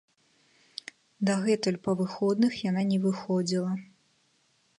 Дагэтуль па выходных яна не выходзіла.